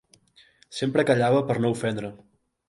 Sempre callava per no ofendre.